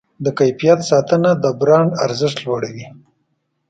د کیفیت ساتنه د برانډ ارزښت لوړوي.